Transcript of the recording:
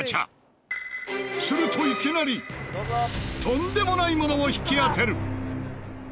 するといきなりとんでもないものを引き当てる！